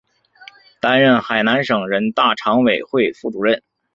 担任海南省人大常委会副主任。